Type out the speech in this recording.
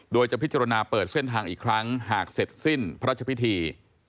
โดยจะพิจารณาเปิดเส้นทางอีกครั้งหากเสร็จสิ้นพระราชพิธี